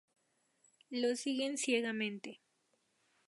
Lo siguen ciegamente.